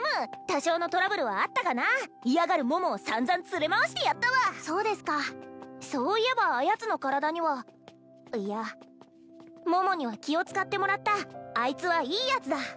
多少のトラブルはあったがな嫌がる桃を散々連れ回してやったわそうですかそういえばあやつの体にはいや桃には気を使ってもらったあいつはいいヤツだ